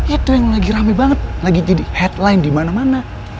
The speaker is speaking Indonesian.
itu yang lagi rame banget lagi jadi headline di mana mana